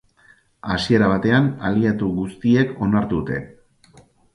Hasiera batean, aliatu guztiek onartu dute.